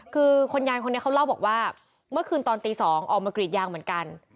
คือคุณยายคนนี้เขาเล่าบอกว่าเมื่อคืนตอนตี๒ออกมากรีดยางเหมือนกัน